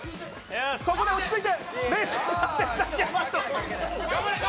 ここで落ち着いて。